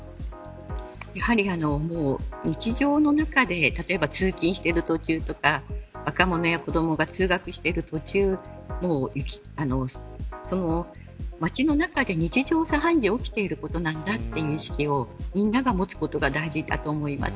やはり日常の中で通勤している途中とか若者や子どもが通学している途中街の中で日常茶飯事に起きていることなんだという意識をみんなが持つことが大事だと思います。